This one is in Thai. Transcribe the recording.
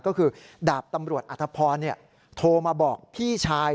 ก็คือดาบตำรวจอธพรโทรมาบอกพี่ชาย